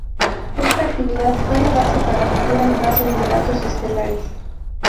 Esta actividad fue la base para futuras bases de datos estelares.